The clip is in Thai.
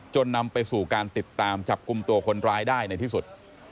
นำไปสู่การติดตามจับกลุ่มตัวคนร้ายได้ในที่สุด